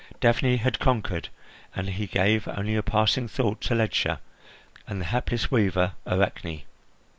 Daphne had conquered, and he gave only a passing thought to Ledscha and the hapless weaver Arachne.